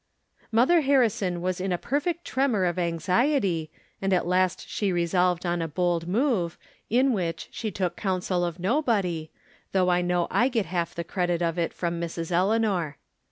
Mother Harrison was in a perfect tremor of anxiety, and at last she resolved on a bold move, in which she took counsel of nobody, though I know I get half the credit of it from Mrs. Eleanor.